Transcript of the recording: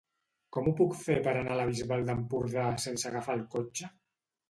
Com ho puc fer per anar a la Bisbal d'Empordà sense agafar el cotxe?